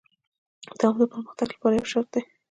دوام د پرمختګ لپاره مهم شرط دی.